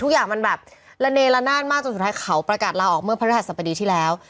ทุกอย่างมันแบบละเนละนาดมากจนสุดท้ายเขาประกาศลาออกเมื่อพระฤหัสบดีที่แล้ว